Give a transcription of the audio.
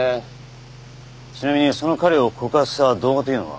ちなみにその彼を告発した動画というのは？